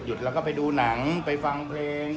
แล้วก็ไปดูหนังไปฟังเพลง